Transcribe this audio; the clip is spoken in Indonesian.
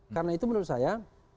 karena itu menurut saya